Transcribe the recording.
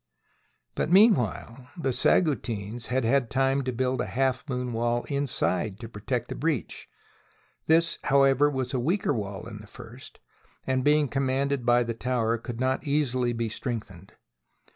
But, meanwhile, the Saguntines had had time to build a half moon wall inside to protect the breach. This, however, was a weaker wall than the first, and being commanded by the tower, could not easily be strengthened.